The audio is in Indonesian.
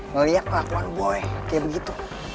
ngeliat lah boy kayak begitu